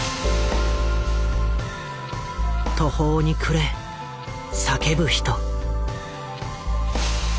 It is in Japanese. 途方に暮れ叫ぶ人。